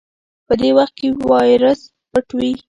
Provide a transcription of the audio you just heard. په دې وخت کې وایرس پټ وي.